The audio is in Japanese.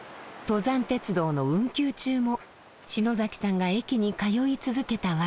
登山鉄道の運休中も篠崎さんが駅に通い続けたわけ。